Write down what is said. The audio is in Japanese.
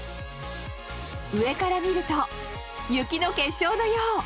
上から見ると雪の結晶のよう。